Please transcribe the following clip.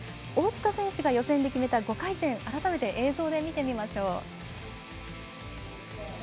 大塚選手が予選で決めた５回転改めて、映像で見てみましょう。